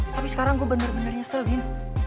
tapi sekarang gue bener bener nyesel din